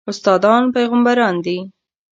استادان پېغمبران دي